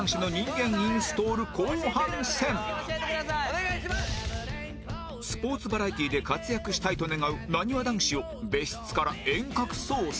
今夜はスポーツバラエティで活躍したいと願うなにわ男子を別室から遠隔操作